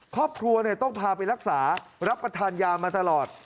ครอบครัวต้องพาไปรักษารับประทานยามาตลอด